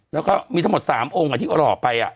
แล้วก็มีทั้งหมดสามองค์อะที่หลอกไปอะ